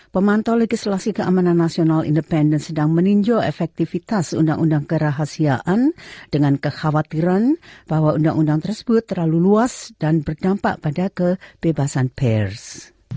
pemantau legislasi keamanan nasional independen sedang meninjau efektivitas undang undang kerahasiaan dengan kekhawatiran bahwa undang undang tersebut terlalu luas dan berdampak pada kebebasan pers